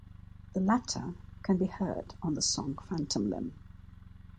The latter can be heard on the song "Phantom Limb".